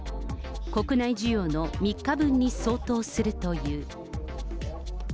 国内需要の３日分に相当するという。